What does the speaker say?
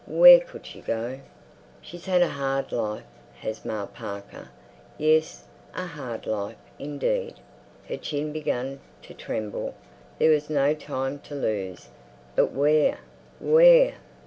Where could she go? "She's had a hard life, has Ma Parker." Yes, a hard life, indeed! Her chin began to tremble; there was no time to lose. But where? Where?